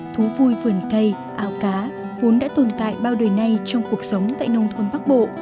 thú vui vườn cây áo cá vốn đã tồn tại bao đời nay trong cuộc sống tại nông thôn bắc bộ